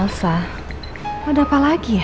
masa ada apa lagi ya